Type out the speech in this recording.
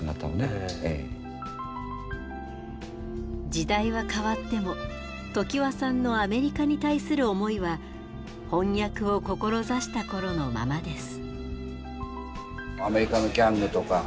時代は変わっても常盤さんのアメリカに対する思いは翻訳を志した頃のままです。